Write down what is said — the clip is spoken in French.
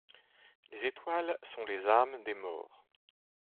Les étoiles sont les âmes des morts.